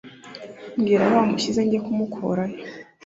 mbwira aho wamushyize njye kumukurayo